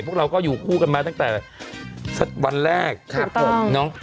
พวกเราก็อยู่คู่กันมาตั้งแต่วันแรกถูกต้อง